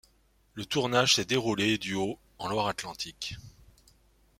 Le tournage s'est déroulé du au en Loire-Atlantique.